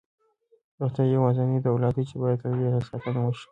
روغتیا یوازینی دولت دی چې باید تل یې ساتنه وشي.